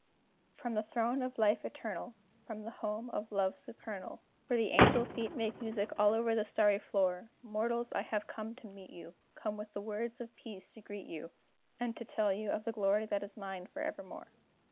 _ From the throne of Life Eternal, From the home of love supernal, Where the angel feet make music over all the starry floor Mortals, I have come to meet you, Come with words of peace to greet you, And to tell you of the glory that is mine forevermore.